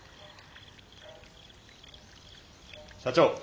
・社長。